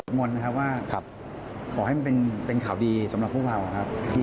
งอนนะครับว่าขอให้มันเป็นข่าวดีสำหรับพวกเรานะครับ